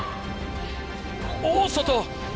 大外！